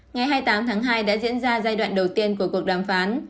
ngày hai mươi tám tháng hai đã diễn ra giai đoạn đầu tiên của cuộc đàm phán